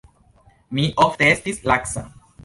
Mi ofte estis laca.